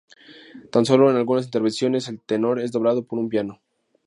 Tan sólo en algunas intervenciones el tenor es doblado por un piano.